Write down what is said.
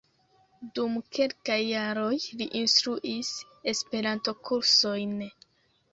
Dum kelkaj jaroj li instruis Esperanto-kursojn.